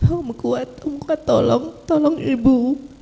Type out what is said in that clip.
om kuat om kuat tolong tolong ibu